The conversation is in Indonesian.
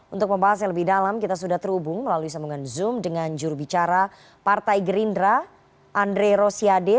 untuk pembahas yang lebih dalam kita sudah terhubung melalui sambungan zoom dengan jurubicara partai gerindra andre rosiade